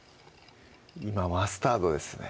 今マスタードですね